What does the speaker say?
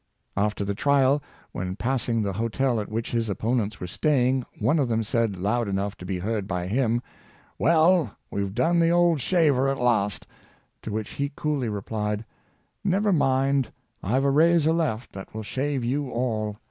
After the trial, when passing the hotel at which his opponents were staying, one of them said, loud enough to be heard by him, *' well, we've done the old shaver at last;" to which he coolly replied, " never mind, IVe a razor left that will shave you all."